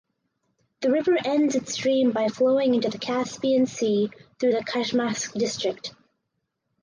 The river ends its stream by flowing into the Caspian sea through Khachmaz District.